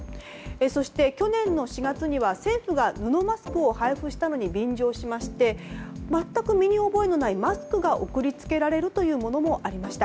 そして、去年の４月には政府が布マスクを配布したのに便乗しまして全く身に覚えのないマスクが送り付けられるものもありました。